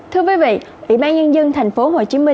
thưa quý vị ủy ban nhân dân tp hcm